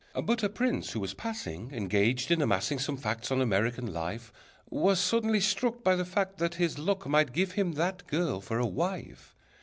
But a prince who was passing, Engaged in amassing Some facts on American life, Was suddenly struck By the fact that his luck Might give him that girl for a wife!